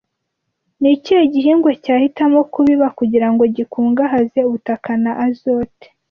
Ni ikihe gihingwa cyahitamo kubiba kugirango gikungahaze ubutaka na azote